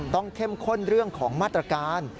เข้มข้นเรื่องของมาตรการ